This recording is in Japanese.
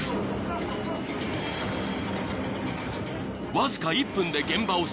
［わずか１分で現場を制圧］